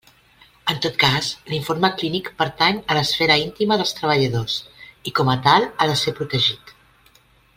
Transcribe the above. En tot cas, l'informe clínic pertany a l'esfera íntima dels treballadors i com a tal ha de ser protegit.